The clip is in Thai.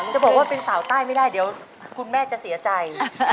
จะบอกว่าเป็นสาวใต้ไม่ได้เดี๋ยวคุณแม่จะเสียใจ